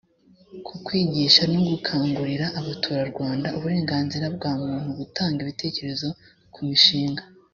ku kwigisha no gukangurira abaturarwanda uburenganzira bwa muntu gutanga ibitekerezo ku mishinga